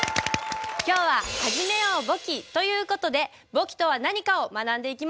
今日は「はじめよう簿記！」という事で「簿記とは何か」を学んでいきます。